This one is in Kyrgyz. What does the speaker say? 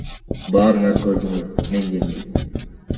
Баарыңар көрдүңөр, мен жеңдим.